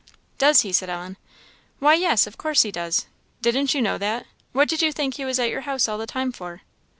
"Does he?" said Ellen. "Why, yes, of course he does; didn't you know that? what did you think he was at your house all the time for?"